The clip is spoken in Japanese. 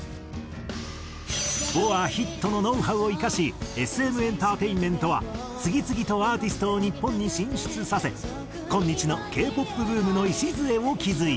ＢｏＡヒットのノウハウを生かしＳＭエンターテインメントは次々とアーティストを日本に進出させ今日のＫ−ＰＯＰブームの礎を築いた。